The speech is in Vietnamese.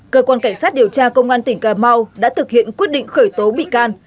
cơ quan cảnh sát điều tra công an tỉnh cà mau đã thực hiện quyết định khởi tố bị can